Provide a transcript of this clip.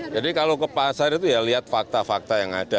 jadi kalau ke pasar itu ya lihat fakta fakta yang ada